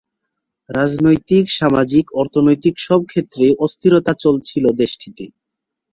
রাজনৈতিক, সামাজিক, অর্থনৈতিক সব ক্ষেত্রেই অস্থিরতা চলছিল দেশটিতে।